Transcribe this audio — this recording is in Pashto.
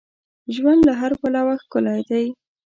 ژوند له هر پلوه ښکلی دی.